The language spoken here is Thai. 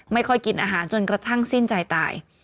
ไม่ค่อยกินอาหารจนกระทั่งสิ้นใจตาย